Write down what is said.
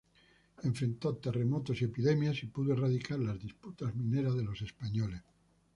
Enfrentó terremotos y epidemias, y pudo erradicar las disputas mineras de los españoles.